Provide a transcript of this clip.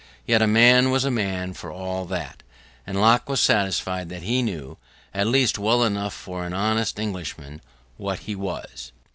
Yet a man was a man for all that: and Locke was satisfied that he knew, at least well enough for an honest Englishman, what he was.